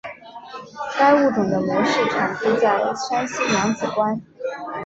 该物种的模式产地在山西娘子关。